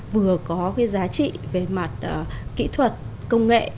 vừa có cái giá trị về mặt kỹ thuật công nghệ